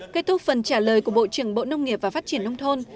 kết thúc phần trả lời của bộ trưởng bộ nông nghiệp và phát triển nông thôn